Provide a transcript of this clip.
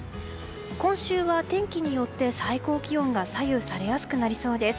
今週は天気によって最高気温が左右されやすくなりそうです。